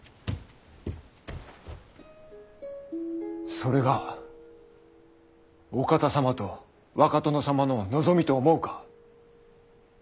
それがお方様と若殿様の望みと思うか。